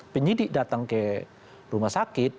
penyidik datang ke rumah sakit